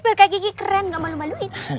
biar kayak gigi keren gak malu maluin